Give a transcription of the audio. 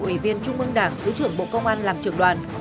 ủy viên trung ương đảng thứ trưởng bộ công an làm trưởng đoàn